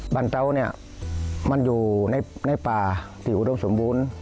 บ้านเต้านี่มันอยู่ในป่าอยู่อุดมสมบูรณ์